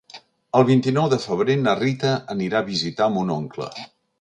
El vint-i-nou de febrer na Rita anirà a visitar mon oncle.